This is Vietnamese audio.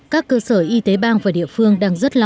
các cơ sở y tế bang và địa phương đang rất tự hào